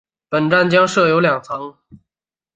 本站将设有两层。